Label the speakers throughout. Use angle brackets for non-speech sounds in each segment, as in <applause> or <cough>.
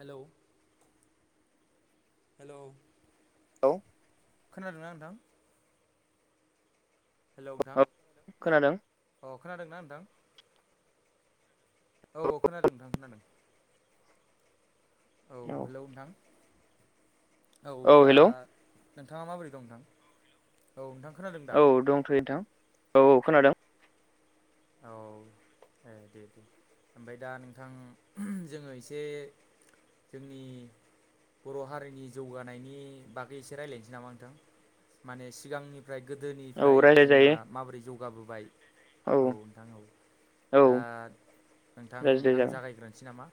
Speaker 1: Hello hello
Speaker 2: लौ
Speaker 1: खोनादोंना नोंथां? हेलौ नोंथां
Speaker 2: औ खोनादों
Speaker 1: अ खोनादोंना नोंथां? औ औ खोनादों नोंथां खोनादों। औ हेलौ नोंथां औ दा नोंथाङा माबोरै दं नोंथां? औ नोंथां खोनादों। दा
Speaker 2: औ दंथ'यो नोंथां औ खोनादों।
Speaker 1: औ ए दे दे ओमफाय दा नोंथां जोङो एसे जोंनि बर' हारिनि जौगानायनि बागै एसे रायलायनोसै नामा नोंथां माने सिगांनि फ्राय
Speaker 2: औ
Speaker 1: गोदोनिफ्राय
Speaker 2: रायज्लायजायो
Speaker 1: जोंहा माबोरै जौगाबोबाय औ नोंथां औ
Speaker 2: औ
Speaker 1: दा नोंथां
Speaker 2: रायज्लाय
Speaker 1: आं
Speaker 2: जागोन
Speaker 1: जागायग्रोनोसै नामा।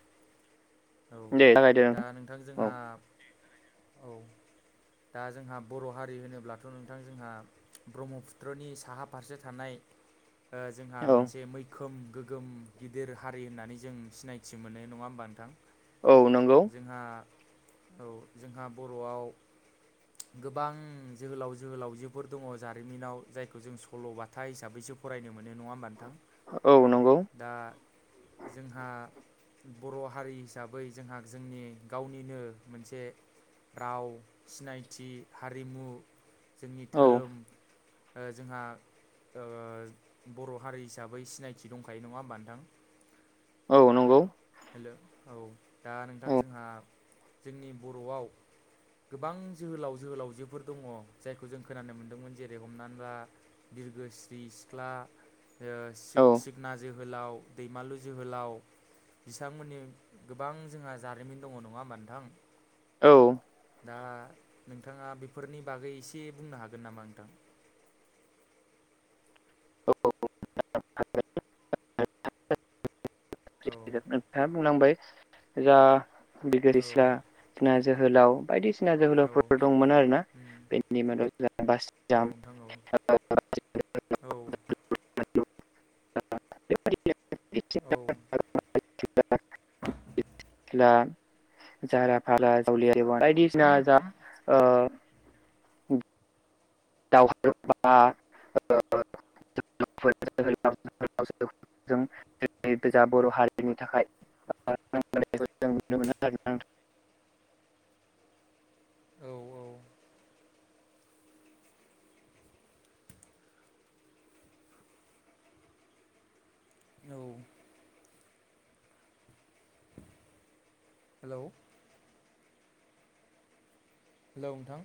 Speaker 1: औ
Speaker 2: दे जागायदो
Speaker 1: दा नोंथां
Speaker 2: औ
Speaker 1: जोंहा औ। दा जोंहा बर' हारि होनोब्लाथ' नोंथां जोंहा ब्रह्मपुत्रनि साहा फारसे थानाय ओ जोंहा
Speaker 2: औ
Speaker 1: मोनसे मै खोम गोग्गोम गिदिर हारि होननानै जों सिनायथि मोनो नङा होमबा नोंथां।
Speaker 2: औ नंगौ
Speaker 1: जोंहा औ जोंहा बर'आव गोबां जोहोलाव जोहोलावजोफोर दङ जारिमिनाव जायखौ जों सल'बाथा हिसाबैसो फरायनो मोनो नङा होमबा नोंथां?
Speaker 2: औ नंगौ
Speaker 1: दा जोंहा बर' हारि हिसाबै जोंहा जोंनि गावनिनो मोनसे राव सिनायथि हारिमु जोंनि
Speaker 2: औ
Speaker 1: धोरोम ओ जोंहा ओ बर' हारि हिसाबै सिनायथि दंखायो नङा होमबा नोंथां।
Speaker 2: औ नंगौ।
Speaker 1: हेल' औ दा नोंथां
Speaker 2: औ
Speaker 1: जोंहा जोंनि बर'आव गोबां जोहोलाव जोहोलावजोफोर दङ जायखौ जों खोनानो मोन्दोंमोन जेरै हमनानै ला बिरग्रोस्रि सिख्ला ओ
Speaker 2: औ
Speaker 1: सिग-सिग खोना जोहोलाव दैमालु जोहोलाव बिथांमोननि गोबां जोंहा जारिमिन दङ नङा होमबा नोंथां।
Speaker 2: औ
Speaker 1: दा नोंथाङा बेफोरनि बागै एसे बुंनो हागोन नामा नोंथां?
Speaker 2: औ
Speaker 1: औ
Speaker 2: <unintelligible> नोंथाङा बुंलांबाय जा बिगोर
Speaker 1: औ
Speaker 2: सिख्ला खोना जोहोलाव बायदिसिना
Speaker 1: औ
Speaker 2: जोहोलावफोर दंमोन आरोना
Speaker 1: उम
Speaker 2: बेनि मादाव जोंहा
Speaker 1: औ
Speaker 2: बासिडाम
Speaker 1: नोंथां औ औ औ
Speaker 2: <unintelligible> खेला जारा फागा बायदिसिना जा ओ दावहारु बा ओ
Speaker 1: <inaudible>
Speaker 2: जोंनि गोजा बर' हारिनि थाखाय जों नुनो मोनो आरोना
Speaker 1: <inaudible> औ औ औ हेल' हेल नोंथां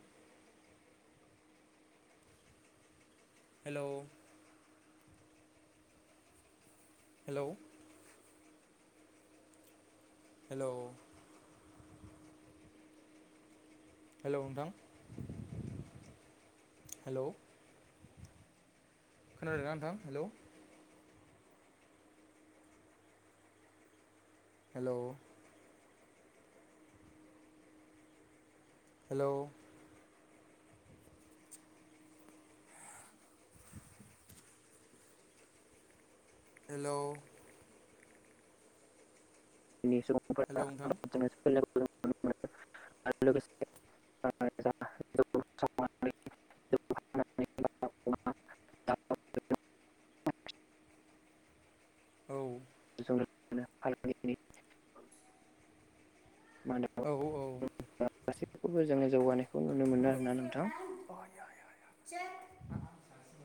Speaker 1: हेल' हेल हेल' हेल' नोंथां हेल' खोनादों ना नोंथां हेलौ हेल' हेल हेल हेलौ नोंथां
Speaker 2: <unintelligible> जौ संनानै जौ फाननानै बा अमा
Speaker 1: औ
Speaker 2: <unintelligible> <unintelligible>
Speaker 1: औ औ
Speaker 2: गासैखौबो जोंनि जौगानायखौबो नुनो मोनो आरोना नोंथां
Speaker 1: <unintelligible> आया आया जिराय